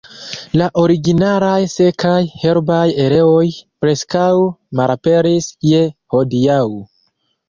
La originalaj sekaj, herbaj areoj preskaŭ malaperis je hodiaŭ.